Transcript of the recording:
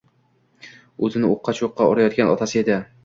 O‘zini o‘tga-cho‘qqa urayotgan otasi edi.